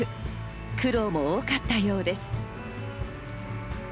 苦労も多かったようです。